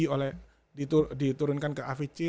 oleh diturunkan ke avc